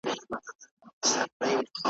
پر ملخ یې سترګي نه سوای پټولای ,